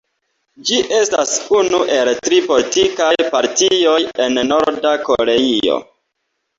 Ĝi estas unu el tri politikaj partioj en Nord-Koreio.